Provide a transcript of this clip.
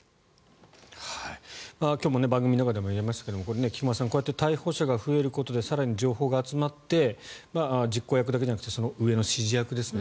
今日も番組の中でもやりましたが菊間さん、こうやって逮捕者が増えることで更に情報が集まって実行役だけじゃなくてその上の指示役ですね